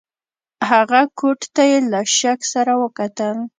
هغه کوټ ته یې له شک سره وکتل.